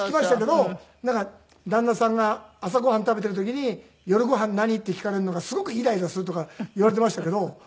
なんか旦那さんが朝ご飯食べている時に「夜ご飯何？」って聞かれるのがすごくイライラするとか言われていましたけど。